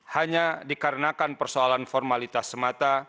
hanya dikarenakan persoalan formalitas semata